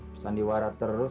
pusing diwarat terus